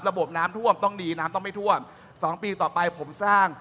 ระบบน้ำท่วมต้องดีน้ำต้องไม่ท่วมสองปีต่อไปผมสร้าง